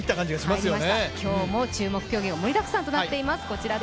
今日も注目競技が盛りだくさんとなっております。